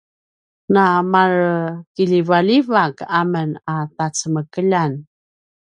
na mare kiljivaljivak amen a tacemekeljan